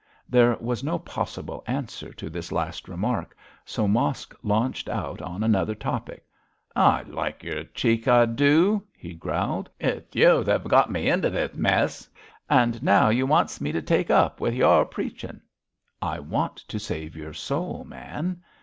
There was no possible answer to this last remark, so Mosk launched out on another topic. 'I like yer cheek, I do,' he growled; 'it's you that have got me into this mess, and now you wants me to take up with your preaching.' 'I want to save your soul, man!'